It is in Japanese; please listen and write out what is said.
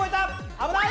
危ない！